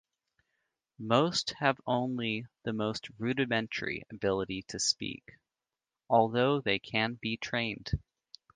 Most have only the most rudimentary ability to speak, although they can be trained.